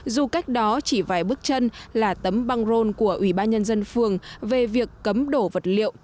dù cách đó chỉ vài bước chân là tấm băng rôn của ủy ban nhân dân phường về việc cấm đổ vật liệu